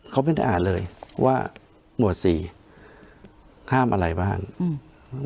เขาไม่ได้อ่านเลยว่าหมวดสี่ข้ามอะไรบ้างอืม